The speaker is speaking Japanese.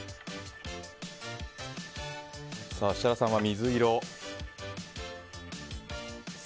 設楽さんは水色です。